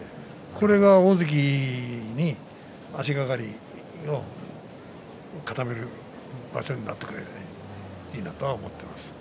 これが大関への足がかりを固める場所になってくれればいいなと思っています。